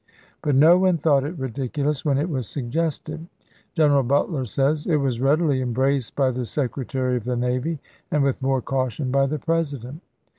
But no one thought it ridicu lous when it was suggested. General Butler says :" It was readily embraced by the Secretary of the ibid., p. *. Navy, and with more caution by the President."